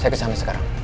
saya kesana sekarang